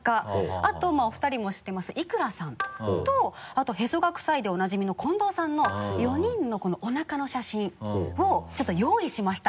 あとお二人も知ってます伊倉さんとあとへそが臭いでおなじみの近藤さんの４人のおなかの写真をちょっと用意しました。